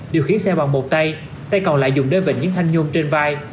điều khiến xe bằng một tay tay còn lại dùng đeo vịnh những thanh nhôm trên vai